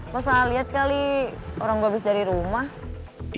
masalah liat kali orang gue abis dari rumah